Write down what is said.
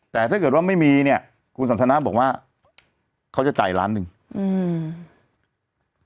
แต่ถ้าเกิดว่าไม่มีเนี้ยคุณสันทนาบอกว่าเขาจะจ่ายล้านหนึ่งอืม